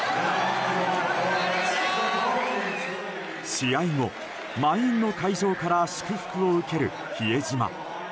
試合後、満員の会場から祝福を受ける比江島。